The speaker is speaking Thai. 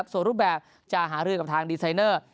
ส่วนรูปแบบจะหารือกับทางดีไซเนอร์